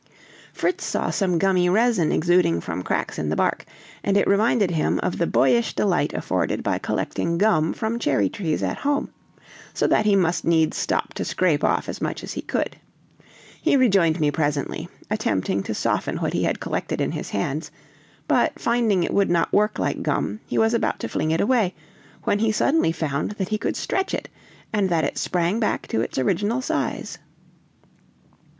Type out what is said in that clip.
Fritz saw some gummy resin exuding from cracks in the bark, and it reminded him of the boyish delight afforded by collecting gum from cherry trees at home, so that he must needs stop to scrape off as much as he could. He rejoined me presently, attempting to soften what he had collected in his hands; but finding it would not work like gum, he was about to fling it away, when he suddenly found that he could stretch it and that it sprang back to its original size.